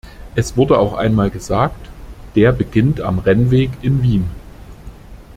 Es wurde auch einmal gesagt, der beginnt am Rennweg in Wien.